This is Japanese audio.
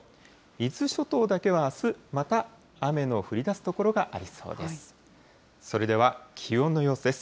伊豆諸島だけはあす、また雨の降りだす所がありそうです。